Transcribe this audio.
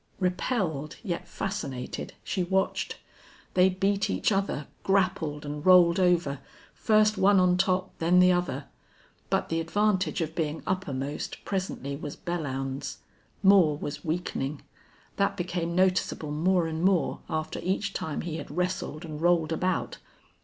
Repelled, yet fascinated, she watched. They beat each other, grappled and rolled over, first one on top, then the other. But the advantage of being uppermost presently was Belllounds's. Moore was weakening. That became noticeable more and more after each time he had wrestled and rolled about.